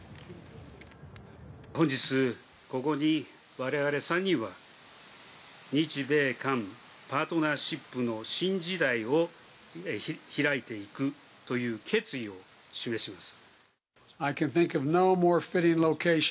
本日、ここにわれわれ３人は、日米韓パートナーシップの新時代をひらいていくという決意を示します。